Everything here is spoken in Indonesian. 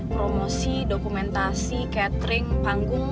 promosi dokumentasi catering panggung